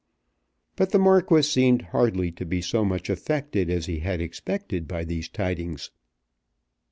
But the Marquis seemed hardly to be so much affected as he had expected by these tidings.